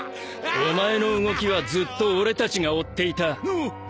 ・お前の動きはずっと俺たちが追っていた。